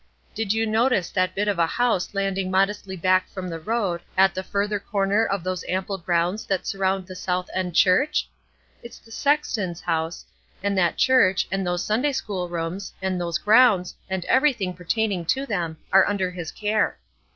Did you notice that bit of a house landing modestly back from the road, at the further corner of those ample grounds that surround the South End Church? It is the sexton's house, and that church, and those Sunday school rooms, and those grounds, and everything pertaining to them, are under his care.